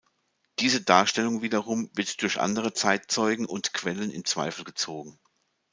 Diese Darstellung wiederum wird durch andere Zeitzeugen und Quellen in Zweifel gezogen.